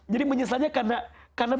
jadi menyesalnya karena boleh jadi ada